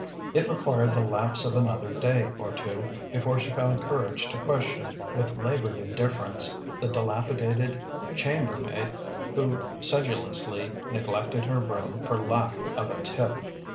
It required the lapse of another day or two before she found courage to question (with laboured indifference) the dilapidated chambermaid who sedulously neglected her room for lack of a tip.